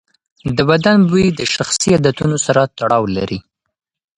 د بدن بوی د شخصي عادتونو سره تړاو لري.